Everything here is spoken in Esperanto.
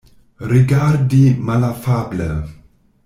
Rigardi malafable.